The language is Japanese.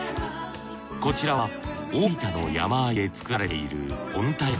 こちらは大分の山あいで作られている小鹿田焼。